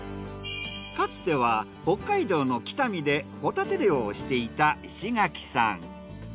かつては北海道の北見でホタテ漁をしていた石垣さん。